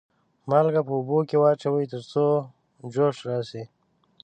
مالګه په اوبو کې واچوئ تر څو جوش راشي.